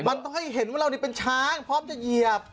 มันต้องให้เห็นว่าเรานี่เป็นช้างพร้อมจะเหยียบ